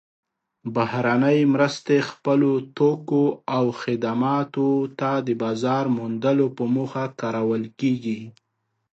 بهرنۍ مرستې خپلو توکو او خدماتو ته د بازار موندلو په موخه کارول کیږي.